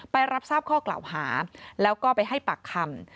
รับทราบข้อกล่าวหาแล้วก็ไปให้ปากคำ